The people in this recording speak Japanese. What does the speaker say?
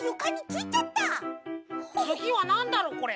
つぎはなんだろ？これ。